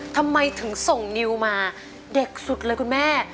ทำไมถึงส่งนิวมาเด็กสุดเลยคุณแม่